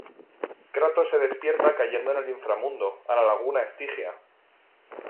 Kratos se despierta cayendo en el Inframundo, a la Laguna Estigia.